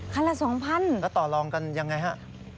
ละ๒๐๐๐แล้วต่อลองกันยังไงฮะ